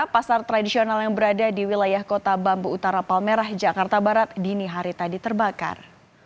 pasar tradisional yang berada di wilayah kota bambu utara palmerah jakarta barat dini hari tadi terbakar